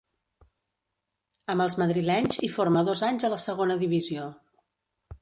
Amb els madrilenys hi forma dos anys a la Segona Divisió.